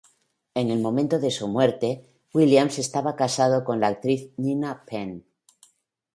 En el momento de su muerte, Williams estaba casado con la actriz Nina Penn.